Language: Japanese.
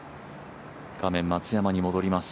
画面、松山に戻ります。